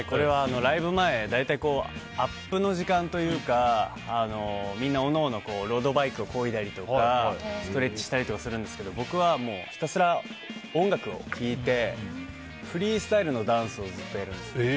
ライブ前大体、アップの時間というかみんな各々ロードバイクをこいだりとかストレッチしたりするんですけど僕はひたすら音楽を聴いてフリースタイルのダンスをずっとやるんですよ。